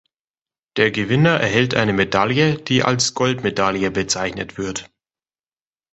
Der Gewinner erhält eine Medaille, die als „Goldmedaille“ bezeichnet wird.